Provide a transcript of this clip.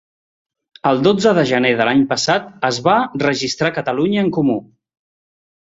El dotze de gener de l’any passat, es va registrar Catalunya en Comú.